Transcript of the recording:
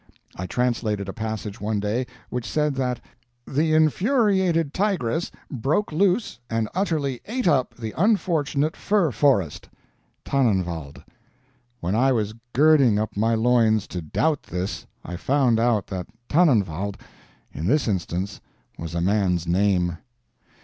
I translated a passage one day, which said that "the infuriated tigress broke loose and utterly ate up the unfortunate fir forest" (Tannenwald). When I was girding up my loins to doubt this, I found out that Tannenwald in this instance was a man's name.